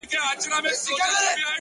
• زما د هر شعر نه د هري پيغلي بد راځي ـ